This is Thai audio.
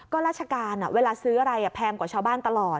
ก็ราชการเวลาซื้ออะไรแพงกว่าชาวบ้านตลอด